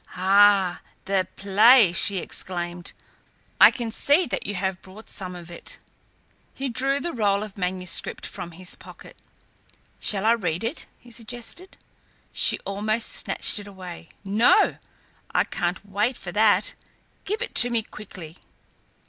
"Ah! The play!" she exclaimed. "I can see that you have brought some of it." He drew the roll of manuscript from his pocket. "Shall I read it?" he suggested. She almost snatched it away. "No! I can't wait for that. Give it to me, quickly."